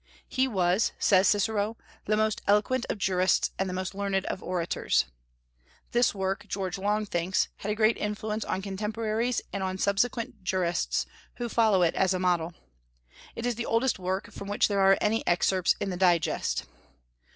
"He was," says Cicero, "the most eloquent of jurists and the most learned of orators." This work, George Long thinks, had a great influence on contemporaries and on subsequent jurists, who followed it as a model. It is the oldest work from which there are any excerpts in the Digest.